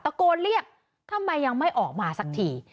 ตะโกนเรียกทำไมยังไม่ออกมาสักที